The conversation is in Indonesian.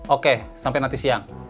oke sampai nanti siang